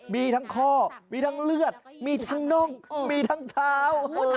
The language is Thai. มีทั้งข้อมีทั้งเลือดมีทั้งน่องมีทั้งเท้า